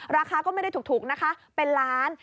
ราคาก็ไม่ได้ถูกนะคะเป็นล้าน